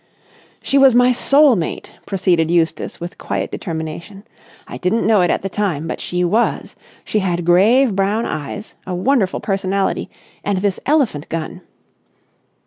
"She was my soul mate," proceeded Eustace with quiet determination. "I didn't know it at the time, but she was. She had grave brown eyes, a wonderful personality, and this elephant gun."